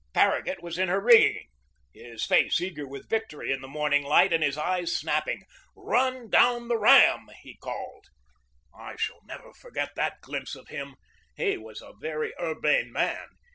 Farragut was in her rig ging, his face eager with victory in the morning light and his eyes snapping. "Run down the ram!" he called. I shall never forget that glimpse of him. He was a very urbane man.